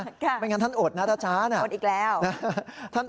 เพราะงั้นท่านโอดนะตะชา